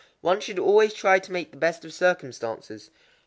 One should always try to make the best of circumstances.